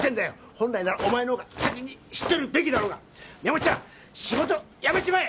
本来ならお前のほうが先に知ってるべきだろうがみやもっちゃん仕事辞めちまえ！